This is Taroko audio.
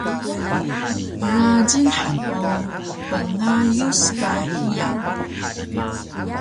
Prajing han o pngayus ka hiya